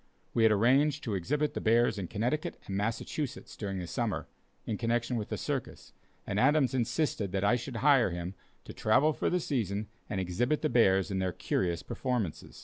We had arranged to exhibit the bears in Connecticut and Massachusetts during the summer, in connection with a circus, and Adams insisted that I should hire him to travel for the season and exhibit the bears in their curious performances.